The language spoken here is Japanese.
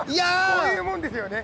こういうもんですよね。